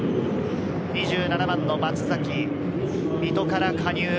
２７番の松崎、水戸から加入。